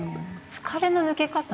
疲れの抜け方は？